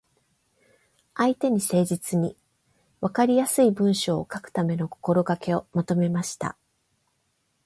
相手に誠実に、わかりやすい文章を書くための心がけをまとめました。